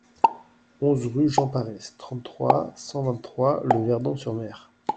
onze rue Jean Pares, trente-trois, cent vingt-trois, Le Verdon-sur-Mer